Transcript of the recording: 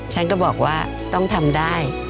ฉันก็บอกว่าต้องทำได้